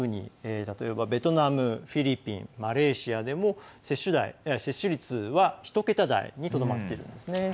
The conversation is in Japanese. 例えば、ベトナム、フィリピンマレーシアでも接種率は１桁台にとどまっているんですね。